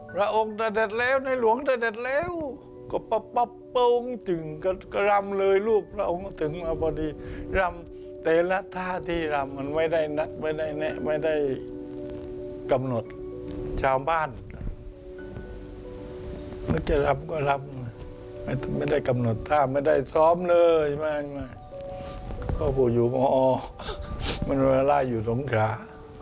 พูดอยู่หมอออมโนราล่าอยู่สมขา